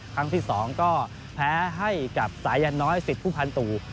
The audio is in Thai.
ครั้งที่สองก็แพ้ให้กับสายยันน้อยสิทธิ์ภูมิพันธุ